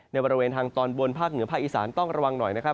บริเวณทางตอนบนภาคเหนือภาคอีสานต้องระวังหน่อยนะครับ